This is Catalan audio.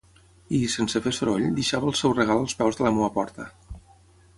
I, sense fer soroll, deixava el seu regal als peus de la meua porta.